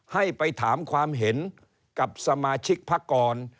ให้ไปถามความเห็นกับสมาชิกพักกร